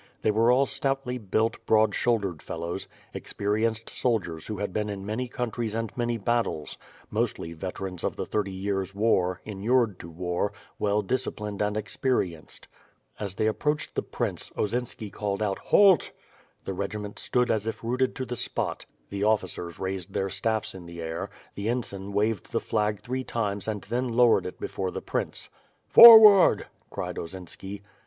They were all stoutly built, broad shouldered fellows — experienced soldiers who had been in many countries and many battles; mostly veterans of the Thirty Years' War, inured to war, well disciplined and ex perienced. As they approached the prince, Osinski called out, "Halt!" The regiment stood as if rooted to the spot; the officers raised their staffs in the air; the ensign waved the flag three times and then lowered it before the prince. "Forward," cried Osinski.